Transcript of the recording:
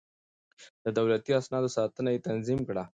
د دولتي اسنادو ساتنه يې تنظيم کړه.